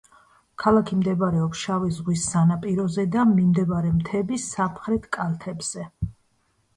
ქალაქი მდებარეობს შავი ზღვის სანაპიროზე და მიმდებარე მთების სამხრეთ კალთებზე.